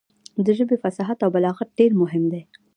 د ژبې فصاحت او بلاغت ډېر مهم دی.